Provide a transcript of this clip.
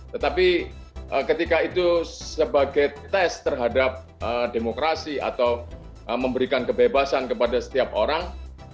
tetapi ketika itu sebagai tes terhadap demokrasi atau memberikan kebebasan kepada setiap orang